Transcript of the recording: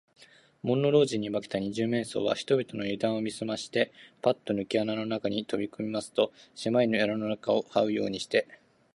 門野老人に化けた二十面相は、人々のゆだんを見すまして、パッとぬけ穴の中にとびこみますと、せまい穴の中をはうようにして、